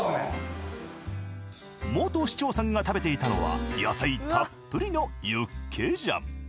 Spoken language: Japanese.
元市長さんが食べていたのは野菜たっぷりのユッケジャン。